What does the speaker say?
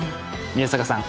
宮坂さん